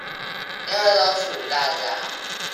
因為都屬於大家